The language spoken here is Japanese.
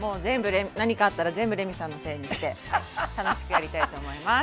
何かあったら全部レミさんのせいにして楽しくやりたいと思います。